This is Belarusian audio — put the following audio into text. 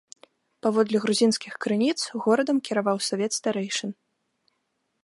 Паводле грузінскіх крыніц, горадам кіраваў савет старэйшын.